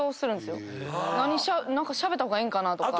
しゃべった方がええんかなとか。